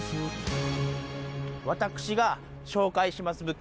私が紹介します